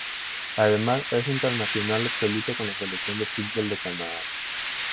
Además es internacional absoluto con la selección de fútbol de Canadá.